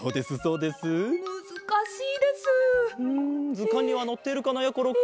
ずかんにはのっているかなやころくん。